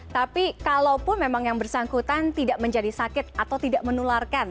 tapi kalaupun memang yang bersangkutan tidak menjadi sakit atau tidak menularkan